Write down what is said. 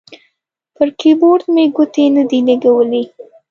پر کیبورډ مې ګوتې نه دي لګولي